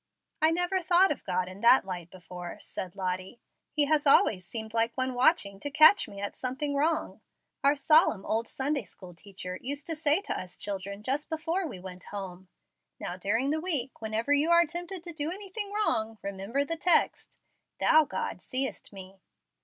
"I never thought of God in that light before," said Lottie. "He has always seemed like one watching to catch me at something wrong. Our solemn old Sunday school teacher used to say to us children just before we went home, 'Now during the week whenever you are tempted to do anything wrong, remember the text, "Thou, God, seest me."'